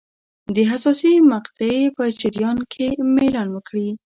د حساسې مقطعې په جریان کې میلان وکړي.